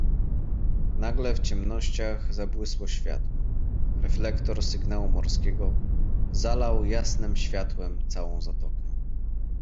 "Nagle w ciemnościach zabłysło światło; reflektor sygnału morskiego zalał jasnem światłem całą zatokę."